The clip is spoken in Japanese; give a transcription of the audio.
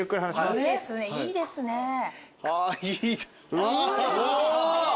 うわ！